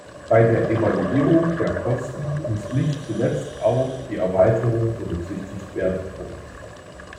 Bei der Evaluierung der Kosten muss nicht zuletzt auch die Erweiterung berücksichtigt werden.